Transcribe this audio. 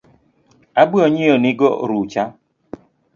Abo nyieo ni go orucha